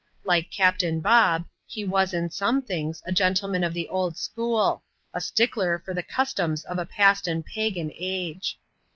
Like Captain Bob, he was, in some things, a gentleman of the old school — a stickler for the customs of a past an(^ pagan age.